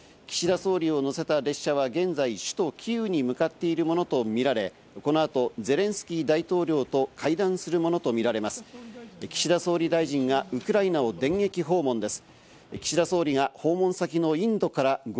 総理を乗せた列車は現在、首都キーウに向かっているものとみられ、この後、ゼレンスキー大統領と会談するも岸田総理大臣がウクライナを電撃訪問です。